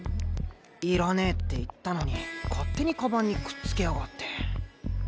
いらねえって言ったのに勝手にカバンにくっつけやがって。